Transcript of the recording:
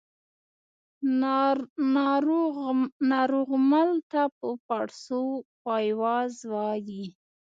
ناروغمل ته په پاړسو پایواز وايي